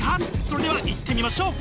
それではいってみましょう！